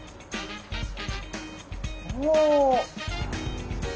お！